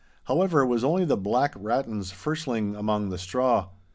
However, it was only the black rattons firsling among the straw.